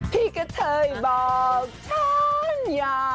ที่กะเชยบอกฉันอยากอยู่